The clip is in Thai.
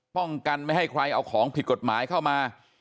ป้องกันไม่ให้ใครเอาของผิดกฎหมายเข้ามา